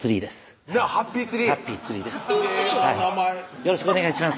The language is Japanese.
よろしくお願いします